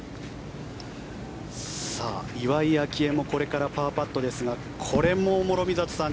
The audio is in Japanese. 岩井明愛もこれからパーパットですがこれも諸見里さん